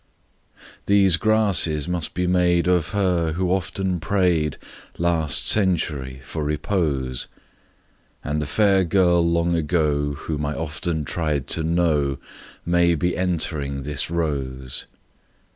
These grasses must be made Of her who often prayed, Last century, for repose; And the fair girl long ago Whom I often tried to know May be entering this rose.